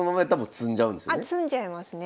詰んじゃいますね。